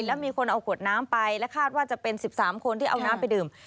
แล้วมีคนเอาขวดน้ำไปและคาดว่าจะเป็น๑๓คนที่เอาน้ำไปดื่ม